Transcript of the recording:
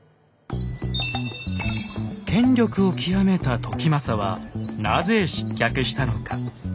権力を極めた時政はなぜ失脚したのか。